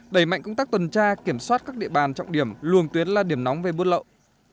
đẩy mạnh công tác tuần tra kiểm soát các địa bàn trọng điểm luồng tuyến là điểm nóng về bút lậu